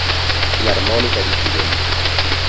Filarmonica di Tivoli